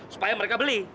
supaya mereka beli